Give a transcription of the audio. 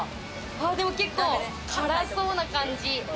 でも結構辛そうな感じ。